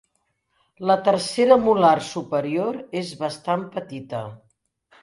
La tercera molar superior és bastant petita.